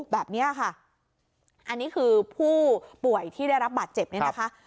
แบบนี้ค่ะอันนี้คือผู้ป่วยที่ได้รับบาดเจ็บเนี่ยนะคะ